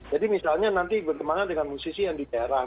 jadi misalnya nanti bertemanah dengan musisi yang di daerah